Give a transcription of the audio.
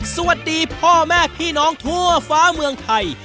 สวัสดีพ่อแม่พี่น้องทั่วฟ้าเมืองไทย